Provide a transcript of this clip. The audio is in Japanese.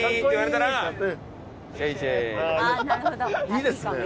いいですね。